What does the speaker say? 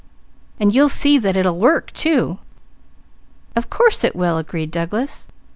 And you'll see that it will work, too!" "Of course it will," agreed Douglas.